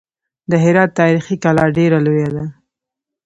د هرات تاریخي کلا ډېره لویه ده.